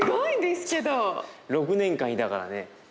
６年間いたからね